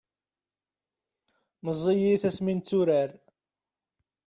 meẓẓiyit asmi netturar